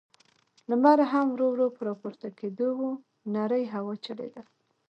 لمر هم ورو، ورو په راپورته کېدو و، نرۍ هوا چلېده.